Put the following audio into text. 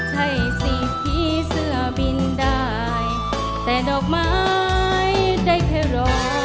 ใช่สิผีเสื้อบินได้แต่ดอกไม้ได้แค่รอ